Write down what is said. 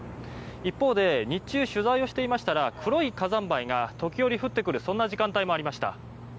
一方で日中取材をしていましたら黒い火山灰が時折、降ってくる時間帯もありました。